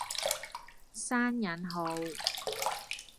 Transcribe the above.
閂引號